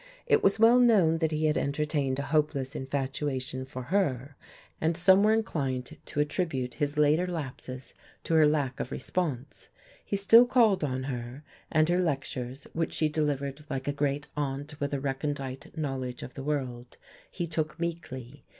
It was well known that he had entertained a hopeless infatuation for her; and some were inclined to attribute his later lapses to her lack of response. He still called on her, and her lectures, which she delivered like a great aunt with a recondite knowledge of the world, he took meekly.